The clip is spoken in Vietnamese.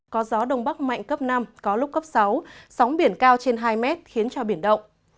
có gió đông bắc mạnh cấp năm có lúc cấp sáu sóng biển cao trên hai mét khiến cho biển động